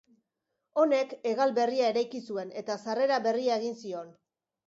Honek hegal berria eraiki zuen eta sarrera berria egin zion.